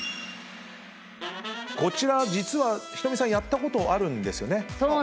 こちら実は仁美さんやったことあるんですよね。